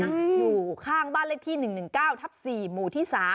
อยู่ข้างบ้านเลขที่๑๑๙ทับ๔หมู่ที่๓